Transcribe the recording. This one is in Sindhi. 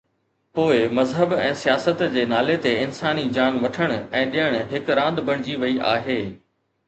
پوءِ مذهب ۽ سياست جي نالي تي انساني جان وٺڻ ۽ ڏيڻ هڪ راند بڻجي وئي آهي.